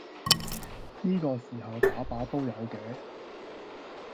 呢個時候打靶都有嘅？